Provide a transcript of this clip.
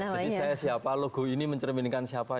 jadi saya siapa logo ini mencerminkan siapa